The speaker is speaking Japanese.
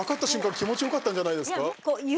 気持ちよかったんじゃないですか。